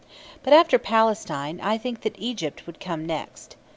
But after Palestine, I think that Egypt would come next.